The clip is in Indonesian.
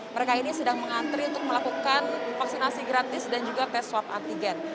mereka ini sedang mengantri untuk melakukan vaksinasi gratis dan juga tes swab antigen